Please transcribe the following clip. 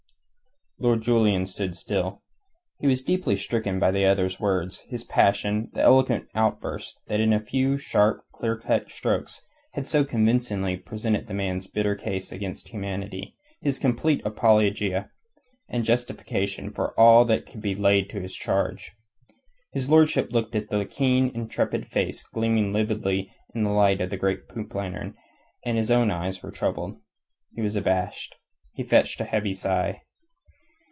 Lord Julian stood still. He was deeply stricken by the other's words, the passionate, eloquent outburst that in a few sharp, clear cut strokes had so convincingly presented the man's bitter case against humanity, his complete apologia and justification for all that could be laid to his charge. His lordship looked at that keen, intrepid face gleaming lividly in the light of the great poop lantern, and his own eyes were troubled. He was abashed. He fetched a heavy sigh.